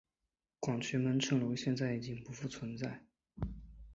广渠门城楼现在已经不复存在。